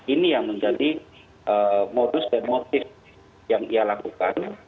ini yang menjadi modus dan motif yang ia lakukan